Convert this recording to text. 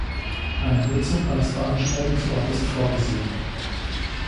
Eine Nutzung als Veranstaltungsort ist vorgesehen.